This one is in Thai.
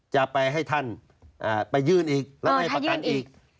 จะไปให้ท่านไปยื่นอีกแล้วไม่ให้ประกันอีก